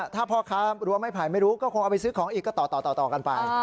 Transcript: ถ้าพ่อค้ารั้วไม่ไผ่ไม่รู้ก็คงเอาไปซื้อของอีกก็ต่อกันไป